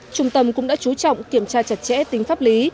trung tâm cũng đã chú trọng kiểm tra chặt chẽ tính pháp lý